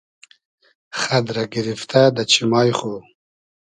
خئد رۂ گیریفتۂ دۂ چیمای خو